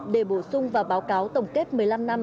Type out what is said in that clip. để bổ sung và báo cáo tổng kết một mươi năm năm